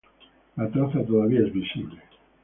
La traza todavía es visible.